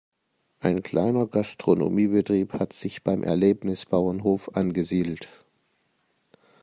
Ein kleiner Gastronomiebetrieb hat sich beim Erlebnisbauernhof angesiedelt.